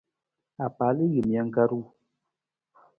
Apalajiimijang ka ru.